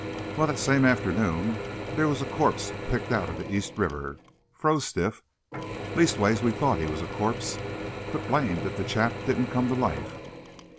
"Why, that same afternoon, there was a corpse picked outa the East River, froze stiff. Leastways, we thought he was a corpse, but blamed if the chap didn't come to life!"